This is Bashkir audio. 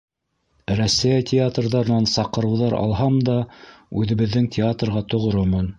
Рәсәй театрҙарынан саҡырыуҙар алһам да, үҙебеҙҙең театрға тоғромон.